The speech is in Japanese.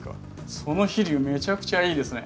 その飛竜めちゃくちゃいいですね。